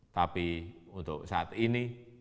tapi untuk saat ini